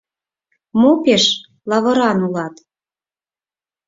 — Мо пеш лавыран улат?